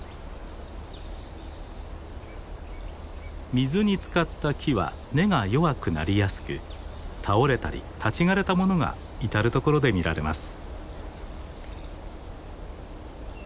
水につかった木は根が弱くなりやすく倒れたり立ち枯れたものが至る所で見られます。